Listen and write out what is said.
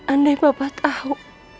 andai papa tahu